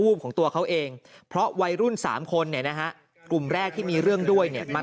ของตัวเขาเองเพราะวัยรุ่นสามคนเนี่ยนะฮะกลุ่มแรกที่มีเรื่องด้วยเนี่ยมา